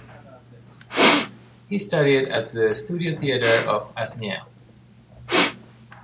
He studied at the studio-theatre of Asnières.